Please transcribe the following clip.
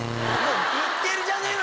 言ってるじゃねえの！